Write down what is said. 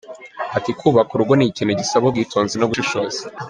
Ati “Kubaka urugo ni ikintu gisaba ubwitonzi no gushishoza.